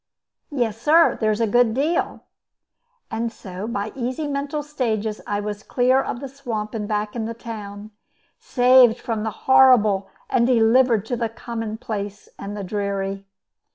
"Yes, sir, there's a good deal." And so, by easy mental stages, I was clear of the swamp and back in the town, saved from the horrible, and delivered to the commonplace and the dreary.